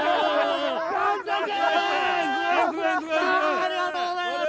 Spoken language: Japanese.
ありがとうございます！